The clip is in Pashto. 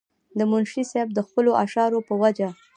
منشي صېب د خپلو اشعارو پۀ وجه